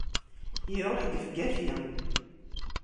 Iruḥ gefgafi!